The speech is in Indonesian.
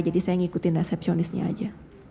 jadi saya mengikuti resepsionisnya aja